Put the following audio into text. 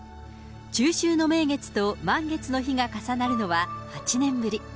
中秋の名月と満月の日が重なるのは８年ぶり。